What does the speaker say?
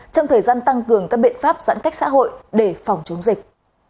trong thời gian tăng cường các biện pháp giãn cách xã hội để phòng chống dịch